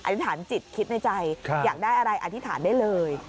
อธิษฐานจิตคิดในใจอยากได้อะไรอธิษฐานได้เลย